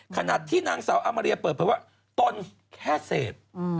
ขณะที่นางสาวอามาเรียเปิดเผยว่าตนแค่เสพ